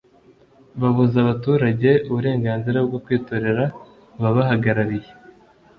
babuza abaturage uburenganzira bwo kwitorera ababahagarariye